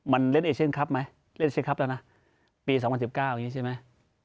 มันเล่นเอเชียนคับไหมเล่นเอเชียนคับแล้วนะปีสองพันสิบเก้าอย่างงี้ใช่ไหม